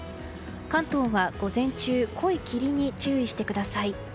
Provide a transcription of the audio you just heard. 関東は午前中濃い霧に注意してください。